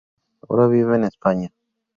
Ahora vive en España.